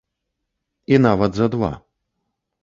І нават за два.